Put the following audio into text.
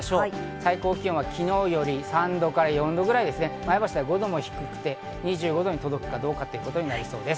最高気温は昨日より３度から４度ぐらい、前橋では５度も低くて２５度に届くかどうかということになりそうです。